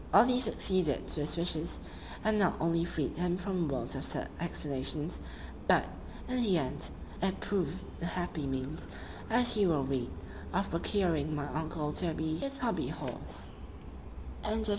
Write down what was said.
All this succeeded to his wishes, and not only freed him from a world of sad explanations, but, in the end, it proved the happy means, as you will read, of procuring my uncle Toby his HOBBY HORSE.